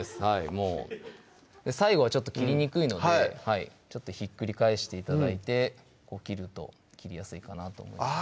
もう最後はちょっと切りにくいのでちょっとひっくり返して頂いてこう切ると切りやすいかなと思います